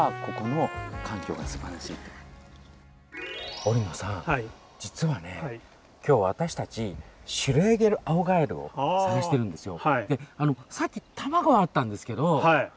織野さん、実はね今日、私たちシュレーゲルアオガエルを探しているんですよ。